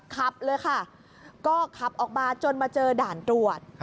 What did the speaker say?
ขับเลยค่ะก็ขับออกมาจนมาเจอด่านตรวจ